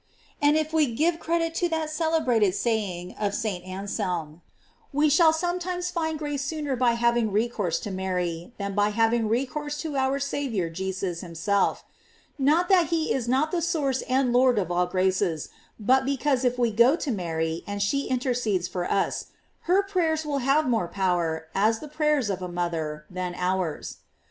* And if we give credit to that celebrated saying of St. Ansel ra: We shall sometimes find grace sooner by having recourse to Mary, than by having recourse to our Saviour Jesus him self;f not that he is not the source and Lord of all graces, but because if we go to Mary, and she intercedes for us, her prayers will have more power, as the prayers of a mother, than ours.